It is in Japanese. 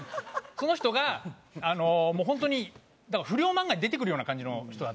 その人がもう本当に不良漫画に出てくるような感じの人だったんですよ。